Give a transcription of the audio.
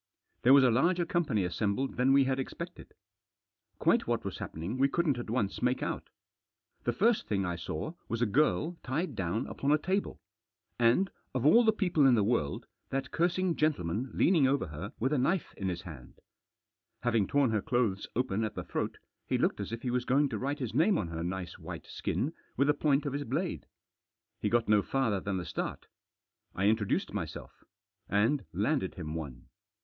There was a larger company assembled than we had expected. Quite what was happening we couldn't at once make out The first thing I saw was a girl tied Digitized by DISCUSSION BETWEEN THE SEVERAL PARTIES. 295 down upon a table, and — of all people in the world — that cursing gentleman leaning over her with a knife in his hand. Having torn her clothes open at the throat, he looked as if he was going to write his name on her nice white skin with the point of his blade. He got no farther than the start. I introduced myself. And landed him one.